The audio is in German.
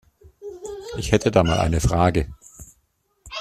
Ich hätte da mal eine Frage.